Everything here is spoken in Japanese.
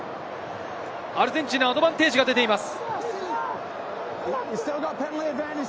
アルゼンチンにアドバンテージが出ています。